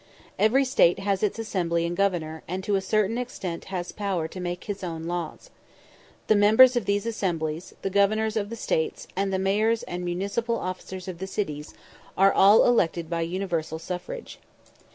Every State has its assembly and governor, and to a certain extent has power to make its own laws. The members of these assemblies, the governors of the States, and the mayors and municipal officers of the cities, are all elected by universal suffrage.